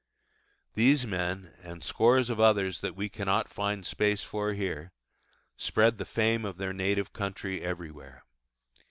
These men, and scores of others that we cannot find space for here, spread the fame of their native country everywhere.